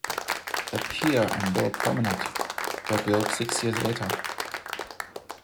The pier and lower promenade were built six years later.